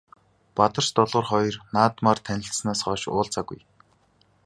Бадарч Долгор хоёр наадмаар танилцсанаас хойш уулзаагүй.